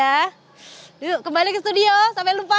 yuk kembali ke studio sampai lupa